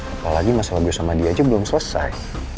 apalagi masalah gue sama dia aja belum selesai